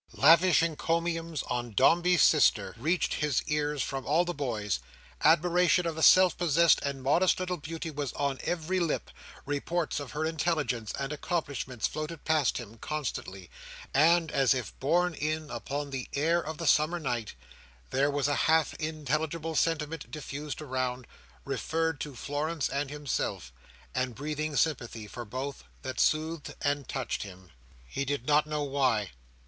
Lavish encomiums on "Dombey's sister" reached his ears from all the boys: admiration of the self possessed and modest little beauty was on every lip: reports of her intelligence and accomplishments floated past him, constantly; and, as if borne in upon the air of the summer night, there was a half intelligible sentiment diffused around, referring to Florence and himself, and breathing sympathy for both, that soothed and touched him. He did not know why.